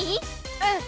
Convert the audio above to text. うん！